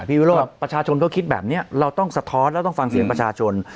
วิโรธประชาชนเขาคิดแบบนี้เราต้องสะท้อนแล้วต้องฟังเสียงประชาชน